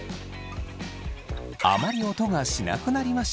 あまり音がしなくなりました。